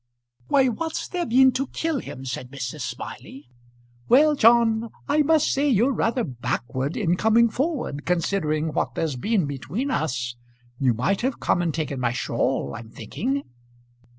"Why, what's there been to kill him?" said Mrs. Smiley. "Well, John, I must say you're rather backward in coming forward, considering what there's been between us. You might have come and taken my shawl, I'm thinking."